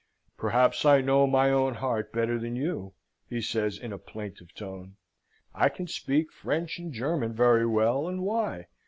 "Perhaps I know my own heart better than you," he says in a plaintive tone. "I can speak French and German very well, and why?